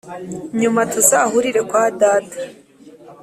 nyuma! tuzahurire kwa data